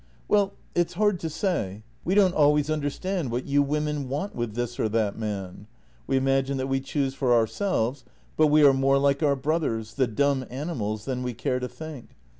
" Well, it's hard to say. We don't always understand what you women want with this or that man. We imagine that we choose for ourselves, but we are more like our brothers, the dumb animals, than we care to think.